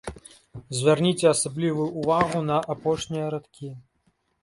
Звярніце асаблівую ўвагу на апошнія радкі.